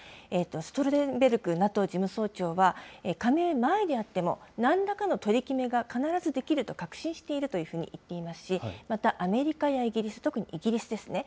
ストルテンベルクＮＡＴＯ事務総長は、加盟前であっても、なんらかの取り決めが必ずできると確信しているというふうに言っていますし、また、アメリカやイギリス、とくにイギリスですね。